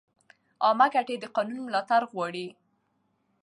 عامه ګټې د قانون ملاتړ غواړي.